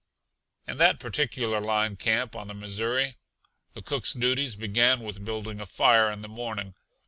In that particular line camp on the Missouri the cook's duties began with building a fire in the morning.